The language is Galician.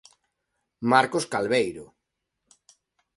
Marcos Calveiro.